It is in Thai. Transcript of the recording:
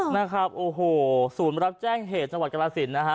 นะครับโอ้โหศูนย์มารับแจ้งเหตุสวัสดิ์กราศิลป์นะฮะ